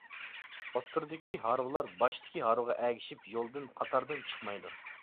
ئوتتۇرىدىكى ھارۋىلار باشتىكى ھارۋىغا ئەگىشىپ يولدىن، قاتاردىن چىقمايدۇ.